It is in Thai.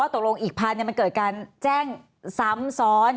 ว่าตรงโรงอีกพันธมิตรมันเกิดการแจ้งซ้ำซ้อน